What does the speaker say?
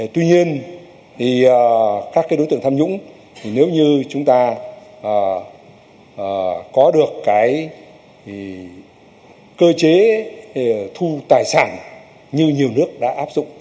tuy nhiên thì các đối tượng tham nhũng nếu như chúng ta có được cơ chế thu tài sản như nhiều nước đã áp dụng